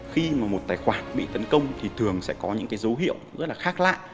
khi mà một tài khoản bị tấn công thì thường sẽ có những cái dấu hiệu rất là khác lạ